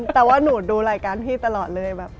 แต่ว่าหนูดูรายการพี่ตลอดเลยแบบ